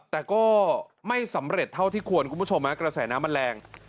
แต่ก็ไม่สำเร็จเท่าที่ควรคุณผู้ชมกระแสน้ำมันแรง